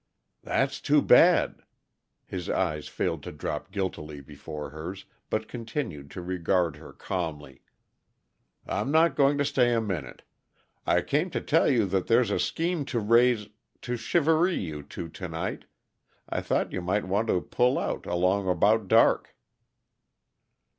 "That's too bad." His eyes failed to drop guiltily before hers, but continued to regard her calmly. "I'm only going to stay a minute. I came to tell you that there's a scheme to raise to 'shivaree' you two, tonight. I thought you might want to pull out, along about dark."